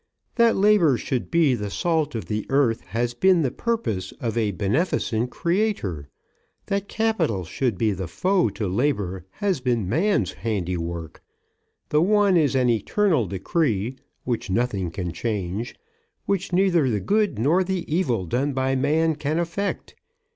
"That Labour should be the salt of the earth has been the purpose of a beneficent Creator; that Capital should be the foe to Labour has been man's handywork. The one is an eternal decree, which nothing can change, which neither the good nor the evil done by man can affect.